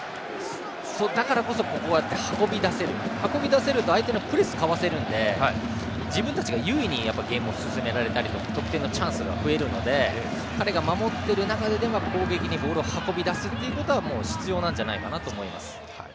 だからこそ、ここは運び出せると相手のプレスをかわせるので自分たちが優位にゲームを進められたり得点のチャンスが増えるので彼が守っている中では攻撃にボールを運び出すことは必要だと思います。